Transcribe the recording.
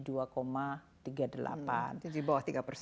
jadi di bawah tiga